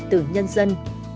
từ nhân dân